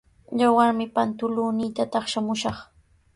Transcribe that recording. Waraymi pantulunniita taqshamushaq.